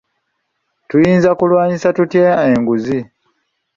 Tuyinza kulwanyisa tutya enguzi?